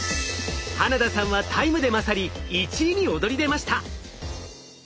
花田さんはタイムで勝り１位に躍り出ました。